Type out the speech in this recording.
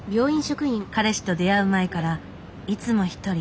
彼氏と出会う前からいつも一人